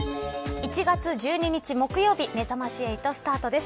１月１２日木曜日めざまし８スタートです。